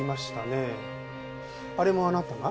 あれもあなたが？